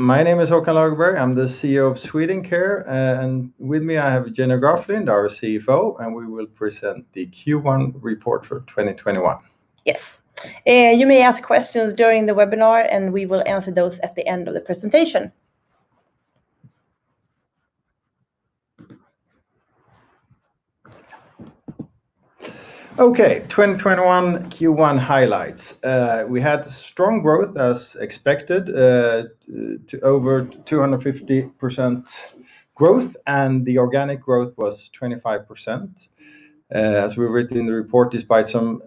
My name is Håkan Lagerberg. I'm the Chief Executive Officer of Swedencare, and with me I have Jenny Graflind, our Chief Financial Officer, and we will present the Q1 report for 2021. Yes. You may ask questions during the webinar, and we will answer those at the end of the presentation. Okay. 2021 Q1 highlights. We had strong growth, as expected, to over 250% growth, and the organic growth was 25%. As we've written in the report, despite some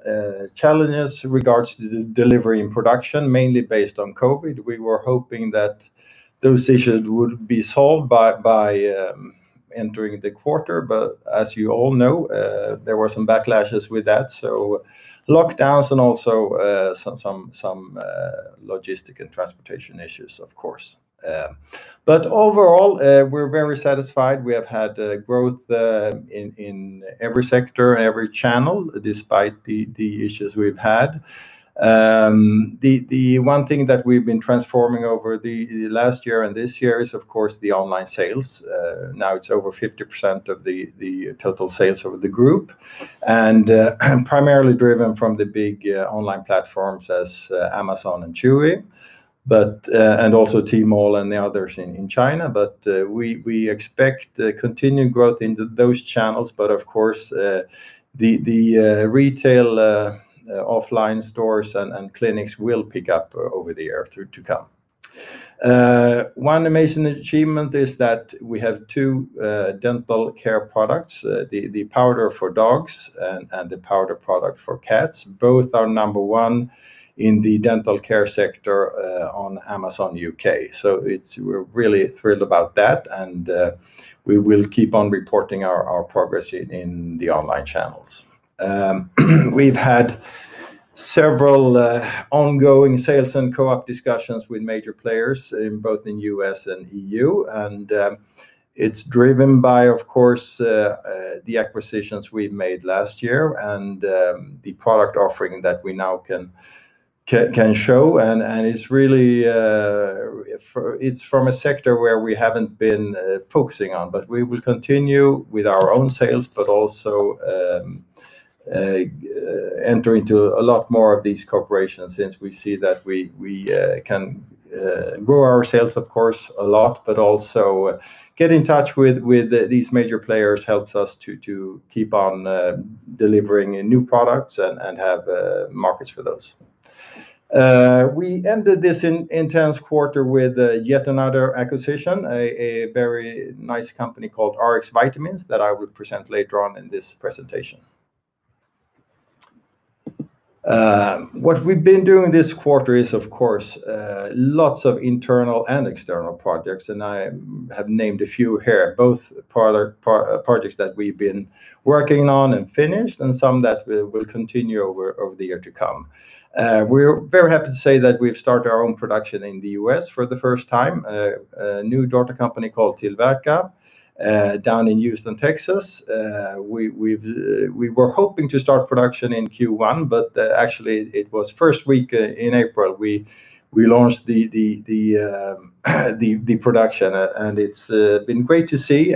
challenges in regards to the delivery and production, mainly based on COVID. We were hoping that those issues would be solved by entering the quarter. As you all know, there were some backlashes with that, so lockdowns and also some logistic and transportation issues, of course. Overall, we're very satisfied. We have had growth in every sector and every channel, despite the issues we've had. The one thing that we've been transforming over the last year and this year is, of course, the online sales. Now it's over 50% of the total sales of the group, and primarily driven from the big online platforms as Amazon and Chewy, and also Tmall and the others in China. We expect continued growth into those channels, but of course, the retail offline stores and clinics will pick up over the year to come. One amazing achievement is that we have two dental care products, the powder for dogs and the powder product for cats. Both are number one in the dental care sector on Amazon U.K. We're really thrilled about that, and we will keep on reporting our progress in the online channels. We've had several ongoing sales and cooperative discussions with major players both in the U.S. and E.U., and it's driven by, of course, the acquisitions we made last year and the product offering that we now can show, and it's from a sector where we haven't been focusing on. We will continue with our own sales, but also enter into a lot more of these corporations since we see that we can grow our sales, of course, a lot, but also get in touch with these major players helps us to keep on delivering new products and have markets for those. We ended this intense quarter with yet another acquisition, a very nice company called Rx Vitamins that I will present later on in this presentation. What we've been doing this quarter is, of course, lots of internal and external projects, and I have named a few here, both projects that we've been working on and finished and some that will continue over the year to come. We're very happy to say that we've started our own production in the U.S. for the first time, a new daughter company called Tillverka down in Houston, Texas. We were hoping to start production in Q1. Actually it was first week in April we launched the production. It's been great to see.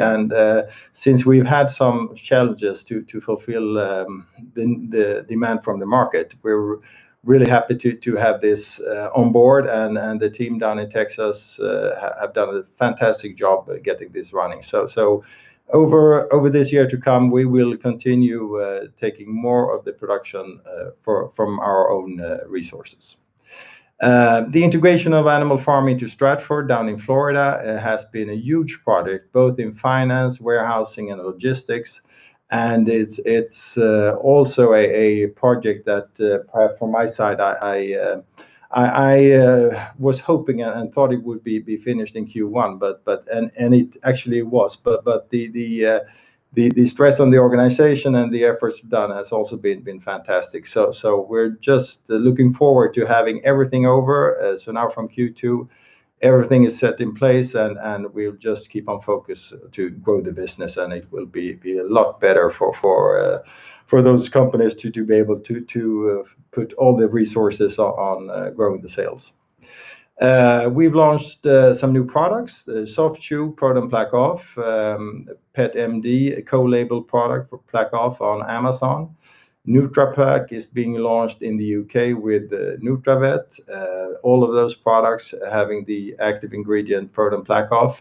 Since we've had some challenges to fulfill the demand from the market, we're really happy to have this on board. The team down in Texas have done a fantastic job getting this running. Over this year to come, we will continue taking more of the production from our own resources. The integration of Animal Pharmaceuticals into Stratford Animal Health down in Florida has been a huge project, both in finance, warehousing, and logistics. It's also a project that, from my side, I was hoping and thought it would be finished in Q1. It actually was, the stress on the organization and the efforts done has also been fantastic. We're just looking forward to having everything over. From Q2, everything is set in place, we'll just keep on focus to grow the business, it will be a lot better for those companies to be able to put all the resources on growing the sales. We've launched some new products, Soft Chew, ProDen PlaqueOff, Pet MD, a co-labeled product for PlaqueOff on Amazon. NutraPet is being launched in the U.K. with nutravet, all of those products having the active ingredient ProDen PlaqueOff,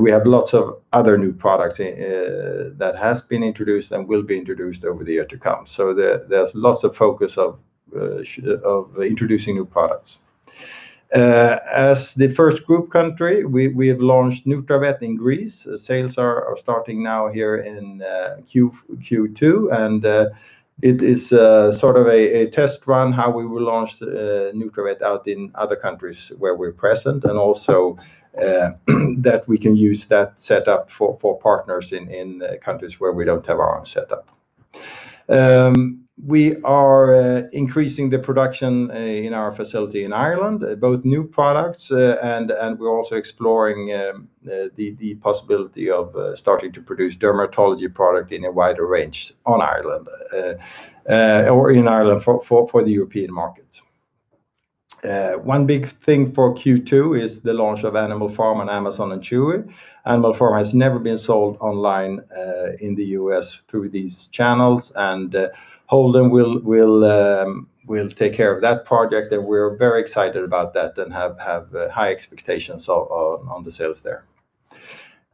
we have lots of other new products that has been introduced and will be introduced over the year to come. There's lots of focus of introducing new products. As the first group country, we have launched nutravet in Greece. Sales are starting now here in Q2. It is sort of a test run how we will launch nutravet out in other countries where we're present and also that we can use that setup for partners in countries where we don't have our own setup. We are increasing the production in our facility in Ireland, both new products, and we're also exploring the possibility of starting to produce dermatology product in a wider range in Ireland for the European market. One big thing for Q2 is the launch of Animal Pharmaceuticals on Amazon and Chewy. Animal Pharmaceuticals has never been sold online in the U.S. through these channels. Holden will take care of that project, and we're very excited about that and have high expectations on the sales there.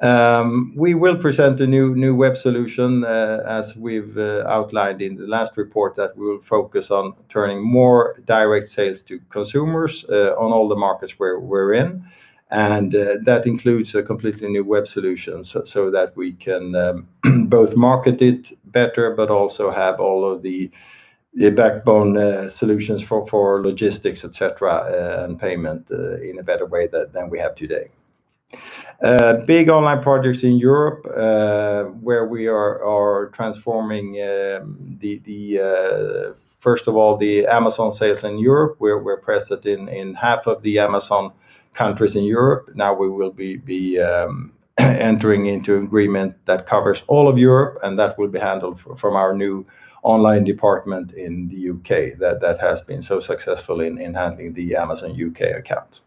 We will present a new web solution, as we've outlined in the last report, that we will focus on turning more direct sales to consumers on all the markets we're in. That includes a completely new web solution, so that we can both market it better, but also have all of the backbone solutions for logistics, et cetera, and payment in a better way than we have today. Big online projects in Europe, where we are transforming, first of all, the Amazon sales in Europe, where we're present in half of the Amazon countries in Europe. Now we will be entering into agreement that covers all of Europe, that will be handled from our new online department in the U.K. that has been so successful in handling the Amazon U.K. account.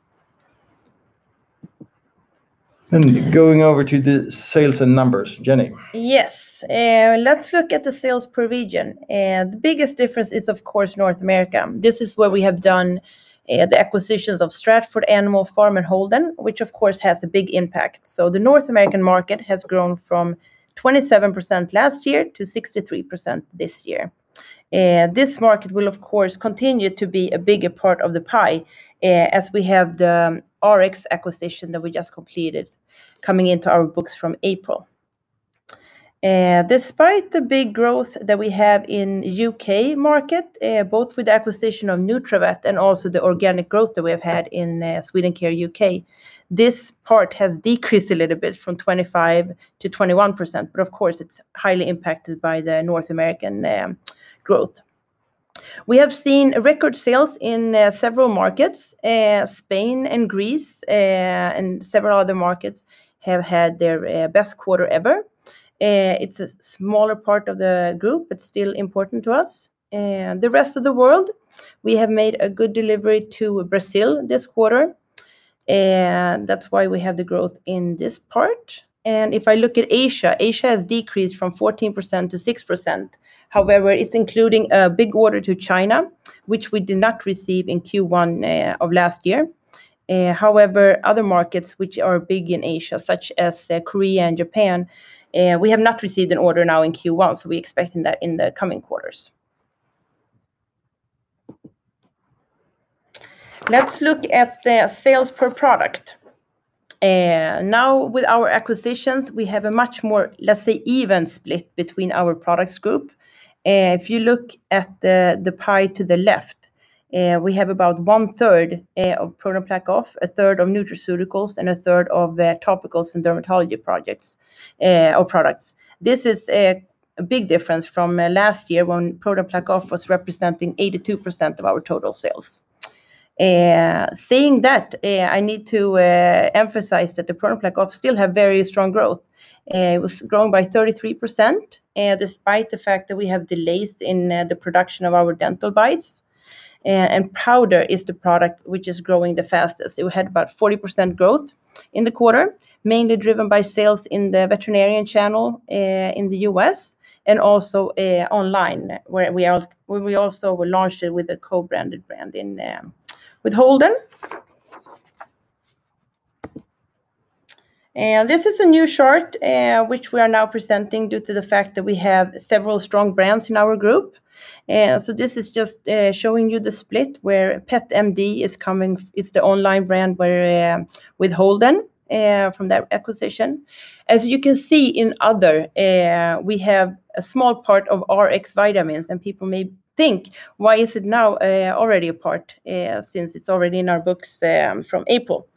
Going over to the sales and numbers, Jenny. Yes. Let's look at the sales per region. The biggest difference is, of course, North America. This is where we have done the acquisitions of Stratford, Animal Pharmaceuticals, and Holden, which of course has the big impact. The North American market has grown from 27% last year to 63% this year. This market will, of course, continue to be a bigger part of the pie as we have the Rx acquisition that we just completed coming into our books from April. Despite the big growth that we have in U.K. market, both with the acquisition of nutravet and also the organic growth that we have had in Swedencare U.K., this part has decreased a little bit from 25% to 21%, but of course, it's highly impacted by the North American growth. We have seen record sales in several markets, Spain and Greece, several other markets have had their best quarter ever. It's a smaller part of the group, still important to us. The rest of the world, we have made a good delivery to Brazil this quarter, that's why we have the growth in this part. If I look at Asia has decreased from 14% to 6%. However, it's including a big order to China, which we did not receive in Q1 of last year. However, other markets which are big in Asia, such as Korea and Japan, we have not received an order now in Q1, we're expecting that in the coming quarters. Let's look at the sales per product. Now with our acquisitions, we have a much more, let's say, even split between our products group. If you look at the pie to the left, we have about 1/3 of ProDen PlaqueOff, a 1/3 of nutraceuticals, and a 1/3 of topicals and dermatology products. This is a big difference from last year when ProDen PlaqueOff was representing 82% of our total sales. Saying that, I need to emphasize that the ProDen PlaqueOff still have very strong growth. It was grown by 33%, despite the fact that we have delays in the production of our ProDen PlaqueOff Soft Chews. Powder is the product which is growing the fastest. It had about 40% growth in the quarter, mainly driven by sales in the veterinarian channel in the U.S. and also online, where we also launched it with a co-branded brand in with Holden. This is a new chart which we are now presenting due to the fact that we have several strong brands in our group. This is just showing you the split where Pet MD is the online brand with Holden from that acquisition. As you can see in other, we have a small part of Rx Vitamins, and people may think, why is it now already a part since it's already in our books from April?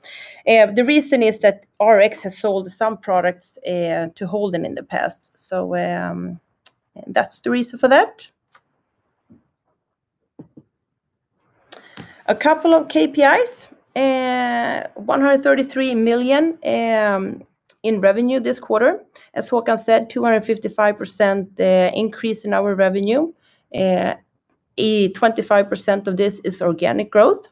The reason is that Rx has sold some products to Holden in the past. That's the reason for that. A couple of key performance indicators. 133 million in revenue this quarter. As Håkan said, 255% increase in our revenue. 25% of this is organic growth.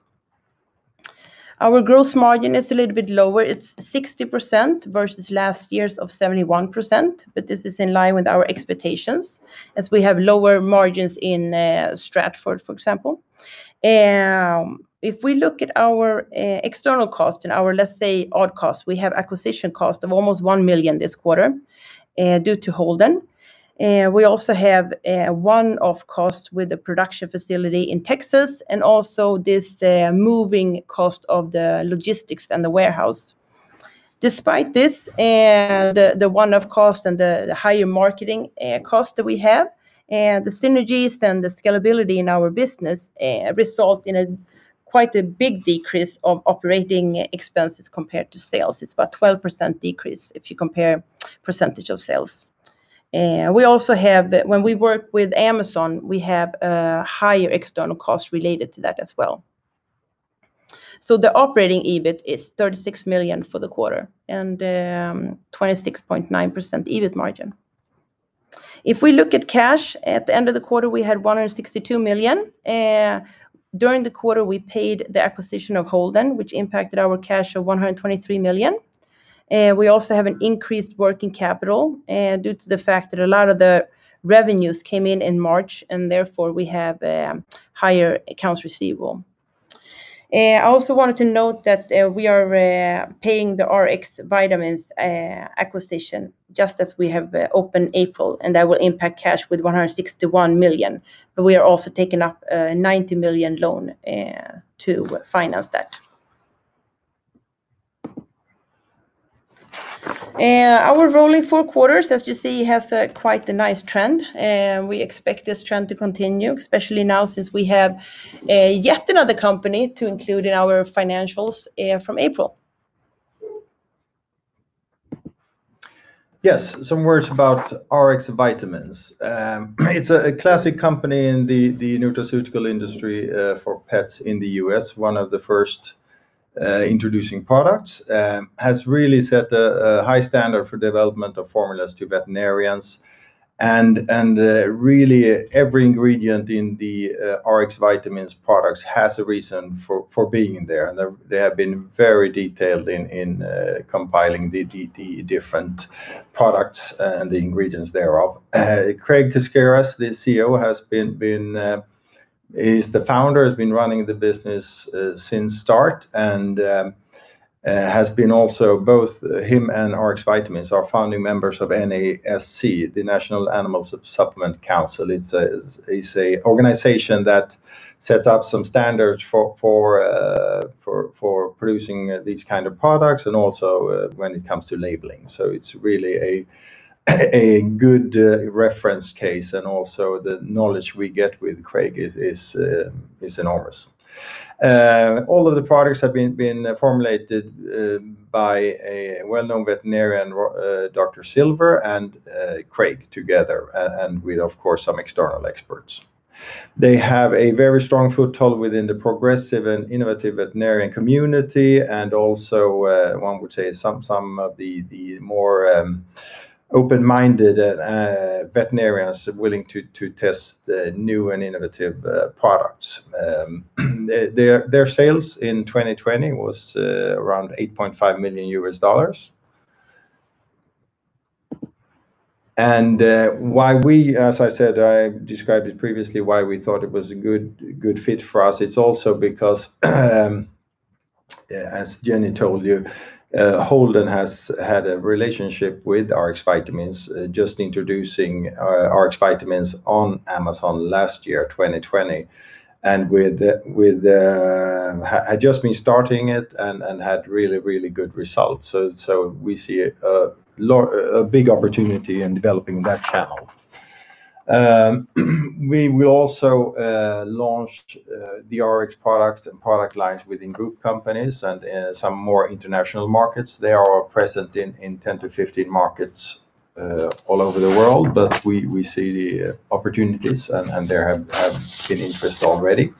Our gross margin is a little bit lower. It's 60% versus last year's of 71%. This is in line with our expectations as we have lower margins in Stratford, for example. If we look at our external cost and our, let's say, odd costs, we have acquisition cost of almost 1 million this quarter due to Holden. We also have a one-off cost with the production facility in Texas and also this moving cost of the logistics and the warehouse. Despite this, the one-off cost and the higher marketing cost that we have, the synergies and the scalability in our business results in a quite a big decrease of operating expenses compared to sales. It's about 12% decrease if you compare percentage of sales. When we work with Amazon, we have higher external costs related to that as well. The operating EBIT is 36 million for the quarter and 26.9% EBIT margin. If we look at cash, at the end of the quarter, we had 162 million. During the quarter, we paid the acquisition of Holden, which impacted our cash of 123 million. We also have an increased working capital due to the fact that a lot of the revenues came in in March. Therefore, we have higher accounts receivable. I also wanted to note that we are paying the Rx Vitamins acquisition just as we have opened April. That will impact cash with 161 million. We are also taking up a 90 million loan to finance that. Our rolling four quarters, as you see, has quite a nice trend. We expect this trend to continue, especially now since we have yet another company to include in our financials from April. Yes, some words about Rx Vitamins. It's a classic company in the nutraceutical industry for pets in the U.S., one of the first introducing products. Has really set a high standard for development of formulas to veterinarians. Really every ingredient in the Rx Vitamins products has a reason for being there. They have been very detailed in compiling the different products and the ingredients thereof. Craig Kisciras, the CEO, is the founder, has been running the business since start. Both him and Rx Vitamins are founding members of NASC, the National Animal Supplement Council. It's an organization that sets up some standards for producing these kind of products and also when it comes to labeling. It's really a good reference case. Also the knowledge we get with Craig is enormous. All of the products have been formulated by a well-known veterinarian, Dr. Silver, and Craig together, and with, of course, some external experts. They have a very strong foothold within the progressive and innovative veterinarian community, and also, one would say, some of the more open-minded veterinarians willing to test new and innovative products. Their sales in 2020 was around $8.5 million. Why we, as I said, I described it previously, why we thought it was a good fit for us, it's also because, as Jenny told you, Holden has had a relationship with Rx Vitamins, just introducing Rx Vitamins on Amazon last year, 2020, and had just been starting it and had really good results. We see a big opportunity in developing that channel. We will also launch the Rx product and product lines within group companies and some more international markets. They are present in 10-15 markets all over the world. We see the opportunities, and there have been interest already.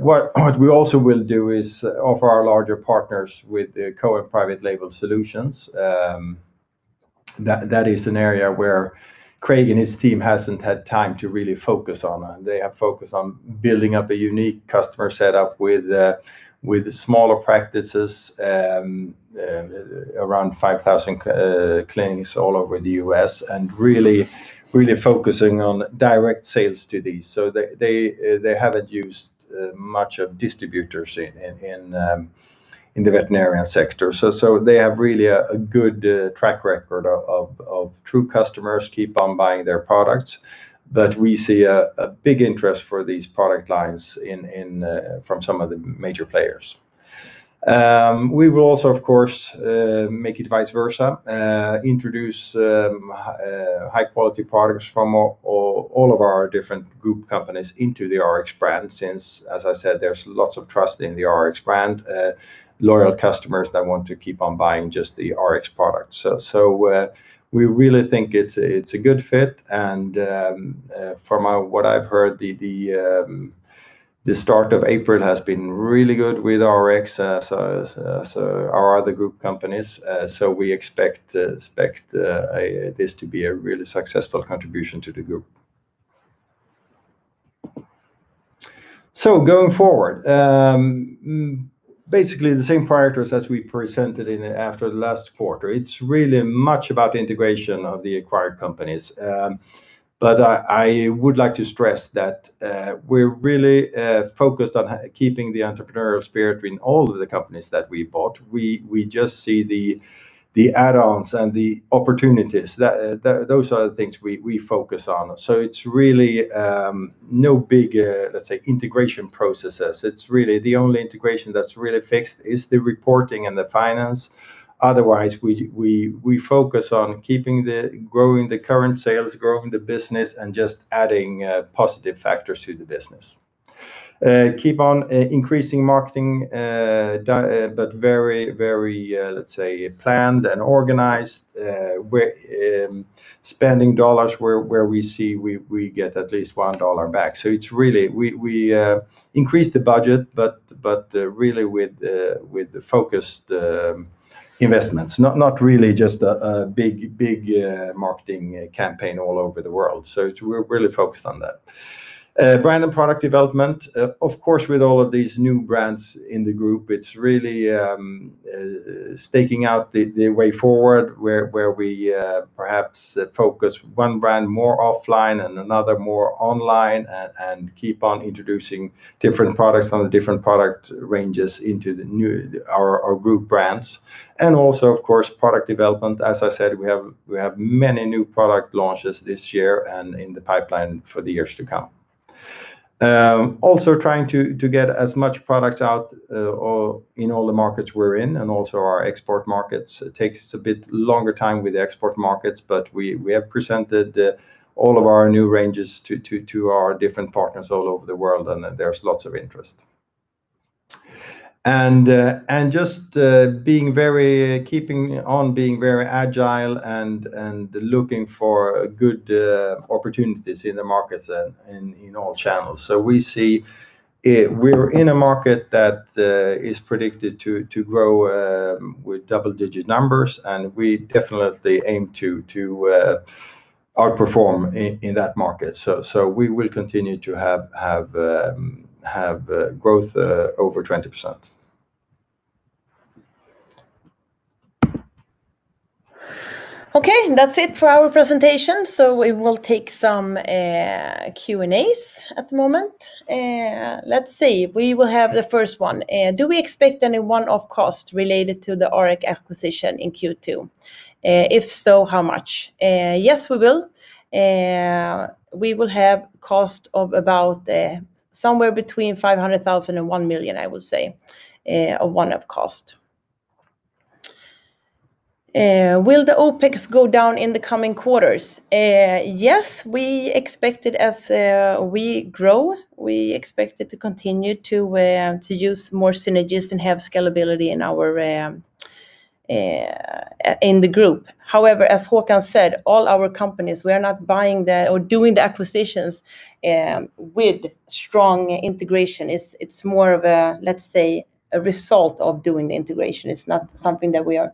What we also will do is offer our larger partners with co- and private-label solutions. That is an area where Craig and his team hasn't had time to really focus on, and they have focused on building up a unique customer setup with smaller practices, around 5,000 clinics all over the U.S., and really focusing on direct sales to these. They haven't used much of distributors in the veterinarian sector. They have really a good track record of true customers keep on buying their products. We see a big interest for these product lines from some of the major players. We will also, of course, make it vice versa, introduce high-quality products from all of our different group companies into the Rx brand, since, as I said, there's lots of trust in the Rx brand, loyal customers that want to keep on buying just the Rx product. We really think it's a good fit, and from what I've heard, the start of April has been really good with Rx, our other group companies. We expect this to be a really successful contribution to the group. Going forward. Basically the same priorities as we presented after last quarter. I would like to stress that we're really focused on keeping the entrepreneurial spirit in all of the companies that we bought. We just see the add-ons and the opportunities. Those are the things we focus on. It's really no big, let's say, integration processes. The only integration that's really fixed is the reporting and the finance. Otherwise, we focus on growing the current sales, growing the business, and just adding positive factors to the business. Keep on increasing marketing, very, let's say, planned and organized. Spending dollars where we see we get at least $1 back. We increase the budget, but really with focused investments, not really just a big marketing campaign all over the world. We're really focused on that. Brand and product development, of course, with all of these new brands in the group, it's really staking out the way forward, where we perhaps focus one brand more offline and another more online and keep on introducing different products from the different product ranges into our group brands. Also, of course, product development. As I said, we have many new product launches this year and in the pipeline for the years to come. Trying to get as much product out in all the markets we're in and also our export markets. It takes a bit longer time with the export markets, but we have presented all of our new ranges to our different partners all over the world, and there's lots of interest. Just keeping on being very agile and looking for good opportunities in the markets and in all channels. We're in a market that is predicted to grow with double-digit numbers, and we definitely aim to outperform in that market. We will continue to have growth over 20%. That's it for our presentation. We will take some Q&As at the moment. Let's see. We will have the first one. Do we expect any one-off cost related to the Auric acquisition in Q2? If so, how much? Yes, we will. We will have cost of about somewhere between 500,000 and 1 million, I would say, of one-off cost. Will the OpEx go down in the coming quarters? Yes, we expect it, as we grow, we expect it to continue to use more synergies and have scalability in the group. However, as Håkan said, all our companies, we are not buying or doing the acquisitions with strong integration. It's more of a, let's say, a result of doing the integration. It's not something that we are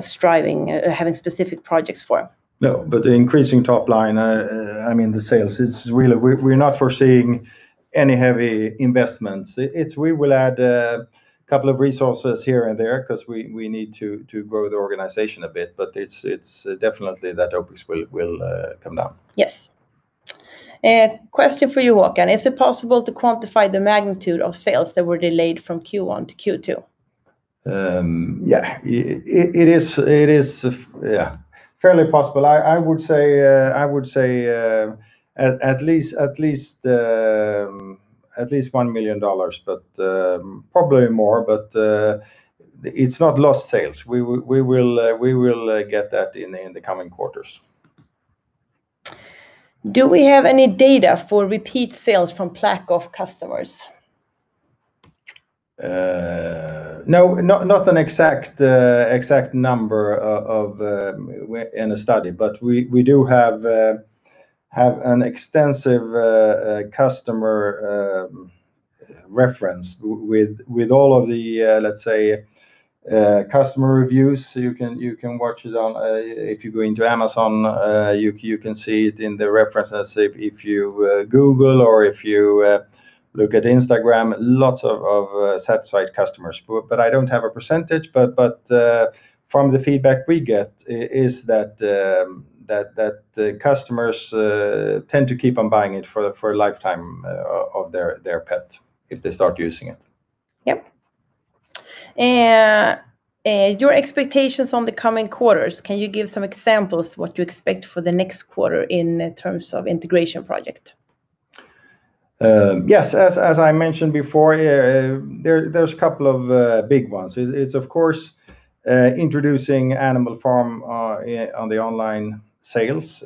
striving, having specific projects for. No, the increasing top line, the sales, we're not foreseeing any heavy investments. We will add a couple of resources here and there because we need to grow the organization a bit, but it's definitely that OpEx will come down. Yes. Question for you, Håkan. Is it possible to quantify the magnitude of sales that were delayed from Q1 to Q2? It is fairly possible. I would say at least SEK 1 million, but probably more. It's not lost sales. We will get that in the coming quarters. Do we have any data for repeat sales from PlaqueOff customers? No, not an exact number in a study, but we do have an extensive customer reference with all of the customer reviews. You can watch it if you go into Amazon, you can see it in the references. If you Google or if you look at Instagram, lots of satisfied customers. I don't have a percentage, but from the feedback we get is that the customers tend to keep on buying it for a lifetime of their pet if they start using it. Yep. Your expectations on the coming quarters, can you give some examples what you expect for the next quarter in terms of integration project? Yes. As I mentioned before, there's a couple of big ones. It's of course introducing Animal Pharmaceuticals on the online sales.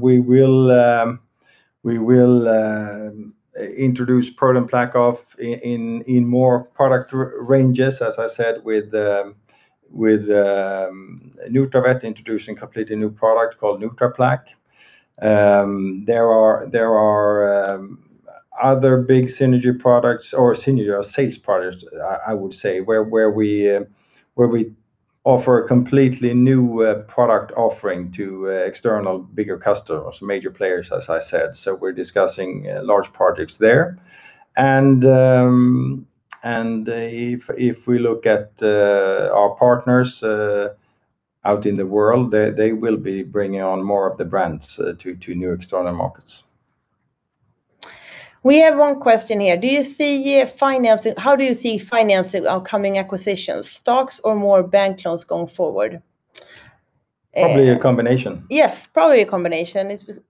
We will introduce ProDen PlaqueOff in more product ranges, as I said, with nutravet introducing completely new product called Nutraplaque. There are other big synergy products or synergy sales products, I would say, where we offer a completely new product offering to external bigger customers, major players, as I said. We're discussing large projects there. If we look at our partners out in the world, they will be bringing on more of the brands to new external markets. We have one question here. How do you see financing upcoming acquisitions, stocks or more bank loans going forward? Probably a combination. Yes, probably a combination. It was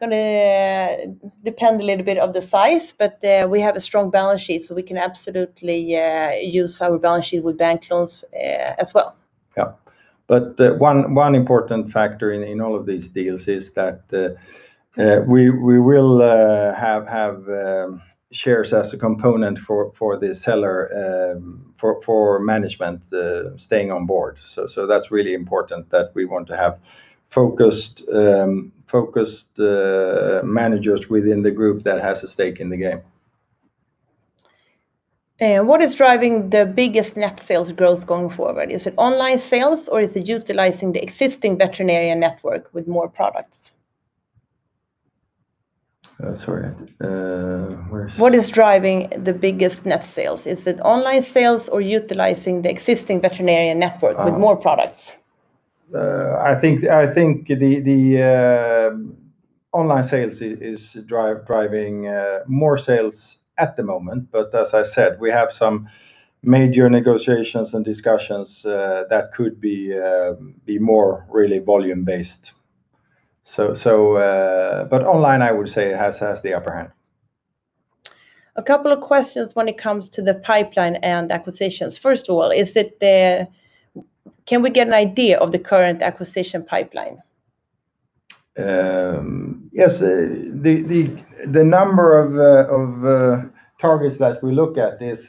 going to depend a little bit of the size, but we have a strong balance sheet. We can absolutely use our balance sheet with bank loans as well. Yeah. One important factor in all of these deals is that we will have shares as a component for the seller for management staying on board. That's really important that we want to have focused managers within the group that has a stake in the game. What is driving the biggest net sales growth going forward? Is it online sales or is it utilizing the existing veterinarian network with more products? Sorry, where? What is driving the biggest net sales? Is it online sales or utilizing the existing veterinarian network with more products? I think the online sales is driving more sales at the moment, but as I said, we have some major negotiations and discussions that could be more really volume-based. Online, I would say has the upper hand. A couple of questions when it comes to the pipeline and acquisitions. First of all, can we get an idea of the current acquisition pipeline? Yes. The number of targets that we look at is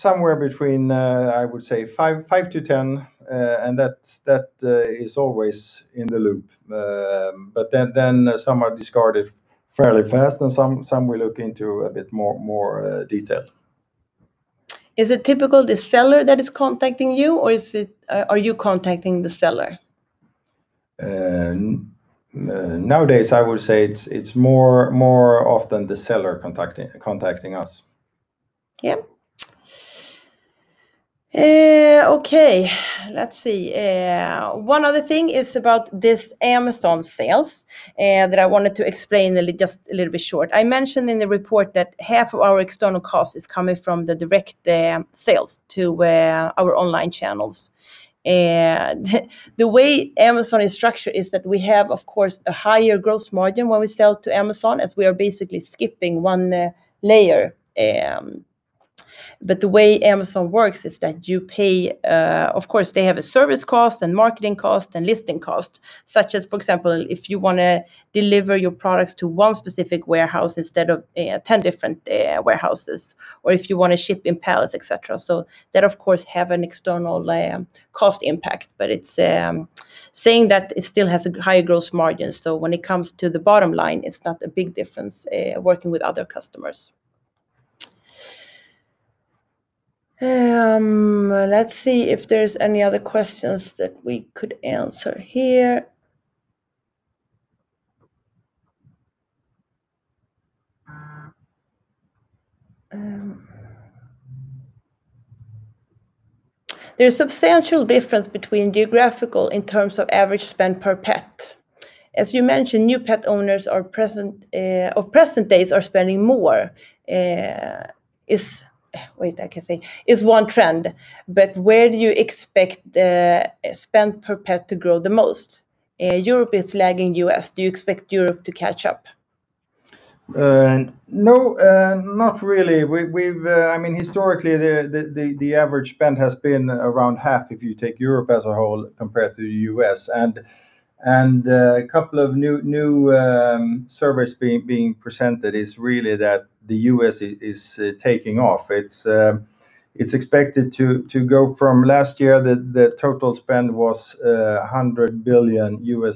somewhere between, I would say, 5-10, and that is always in the loop. Some are discarded fairly fast and some we look into a bit more detail. Is it typical the seller that is contacting you, or are you contacting the seller? Nowadays, I would say it's more often the seller contacting us. Yep. Okay, let's see. One other thing is about this Amazon sales that I wanted to explain just a little bit short. I mentioned in the report that half of our external cost is coming from the direct sales to our online channels. The way Amazon is structured is that we have, of course, a higher gross margin when we sell to Amazon, as we are basically skipping one layer. The way Amazon works is that you pay, of course, they have a service cost and marketing cost and listing cost. Such as, for example, if you want to deliver your products to one specific warehouse instead of 10 different warehouses, or if you want to ship in pallets, et cetera. That, of course, have an external cost impact, but saying that, it still has a high gross margin. When it comes to the bottom line, it's not a big difference working with other customers. Let's see if there's any other questions that we could answer here. There's substantial difference between geographical in terms of average spend per pet. As you mentioned, new pet owners of present days are spending more is one trend. Where do you expect the spend per pet to grow the most? Europe is lagging U.S. Do you expect Europe to catch up? No, not really. Historically, the average spend has been around half if you take Europe as a whole compared to the U.S., and a couple of new service being presented is really that the U.S. is taking off. It's expected to go from last year, the total spend was $100 billion for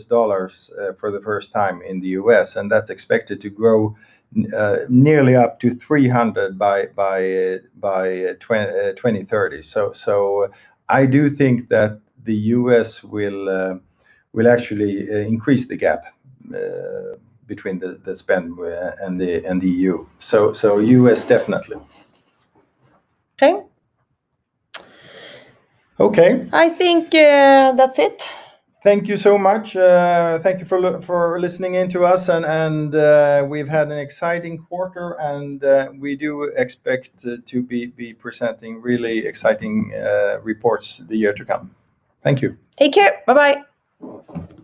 the first time in the U.S., and that's expected to grow nearly up to $300 billion by 2030. I do think that the U.S. will actually increase the gap between the spend and the E.U. U.S. definitely. Okay. Okay. I think that's it. Thank you so much. Thank you for listening in to us. We've had an exciting quarter. We do expect to be presenting really exciting reports the year to come. Thank you. Take care. Bye bye.